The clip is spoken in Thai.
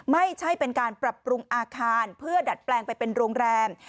ไม่ใช่เป็นการปรับปรุงอาคารเพื่อดัดแปลงไปเป็นโรงแรม